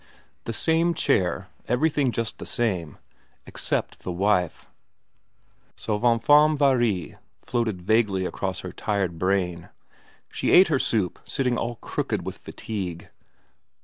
The same chair ; everything just the same ; except the wife. ' Souvent femme varie,' floated vaguely across her tired brain. She ate her soup sitting all crooked with fatigue